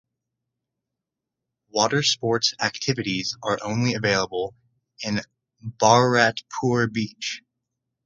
Water Sports Activities are only available in Bharatpur Beach.